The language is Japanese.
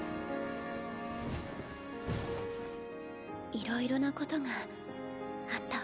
いろいろなことがあったわ。